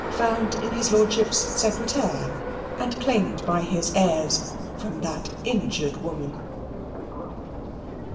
found in his lordship's secretaire and claimed by his heirs from that injured woman.